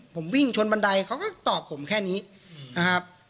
ผมวิ่งชนบันไดเขาก็ตอบผมแค่นี้นะครับ